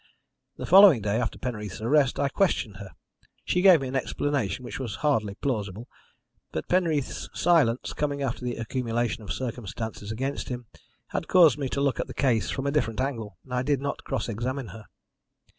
The following day, after Penreath's arrest, I questioned her. She gave me an explanation which was hardly plausible, but Penreath's silence, coming after the accumulation of circumstances against him, had caused me to look at the case from a different angle, and I did not cross examine her.